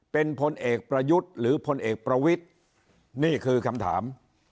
เป็นพลเอกประยุทธ์หรือพลเอกประวิทธิ์นี่คือคำถาม